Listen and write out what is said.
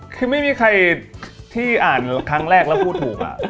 คือไม่มีใครที่อ่านครั้งแรกแล้วพูดถูก